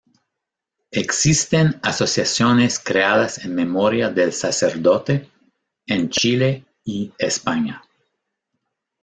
Existen asociaciones creadas en memoria del sacerdote, en Chile y España.